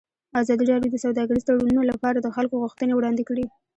ازادي راډیو د سوداګریز تړونونه لپاره د خلکو غوښتنې وړاندې کړي.